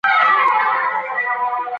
دا سړی به هر وخت خپلو دوستانو ته دا کيسه کوي.